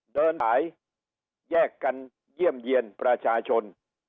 เดินหายแยกกันเยี่ยมเยี่ยนประชาชน